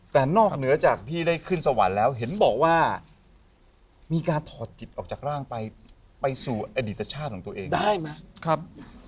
แต่นอกเหนือจากที่ได้ขึ้นสวรรค์แล้วเห็นบอกว่ามีการถอดจิตออกจากร่างไปไปสู่อดีตชาติของตัวเองได้ไหมครับ